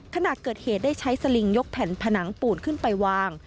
ขณะเกิดเหตุได้ใช้สลิงยกแผ่นผนังปูนขึ้นไปวาง